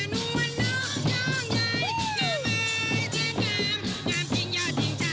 สวัสดีค่ะ